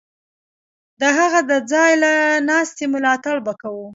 د هغه د ځای ناستي ملاتړ به کوو.